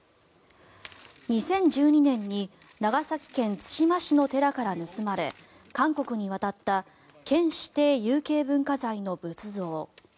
２０１２年に長崎県対馬市の寺から盗まれ韓国に渡った県指定有形文化財の仏像。